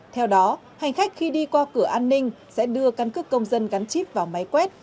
theo đó hành khách khi đi qua cửa an ninh sẽ đưa căn cước công dân gắn chip vào máy quét